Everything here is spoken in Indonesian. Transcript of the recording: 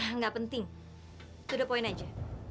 enggak penting itu udah poin aja